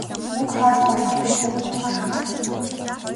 Мөнгө хоол болдоггүйг бүгд ухаарах болно.